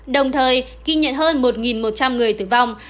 đồng thời ghi nhận hơn một một trăm linh người tử vong